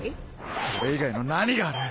それ以外の何がある！